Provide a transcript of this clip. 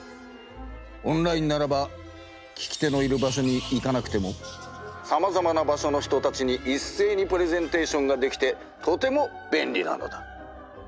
オンラインならば聞き手のいる場所に行かなくてもさまざまな場所の人たちにいっせいにプレゼンテーションができてとてもべんりなのだ。